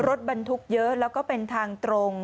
รถบรรทุกเยอะแล้วก็เป็นทางตรง